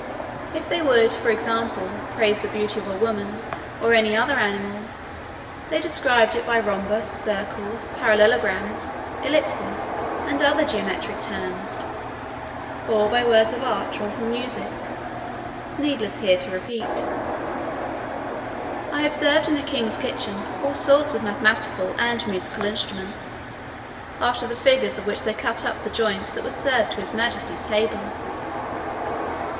If they would, for example, praise the beauty of a woman, or any other animal, they describe it by rhombs, circles, parallelograms, ellipses, and other geometrical terms, or by words of art drawn from music, needless here to repeat. I observed in the king's kitchen all sorts of mathematical and musical instruments, after the figures of which they cut up the joints that were served to his majesty's table.